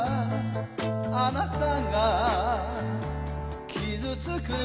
「あなたが傷つく」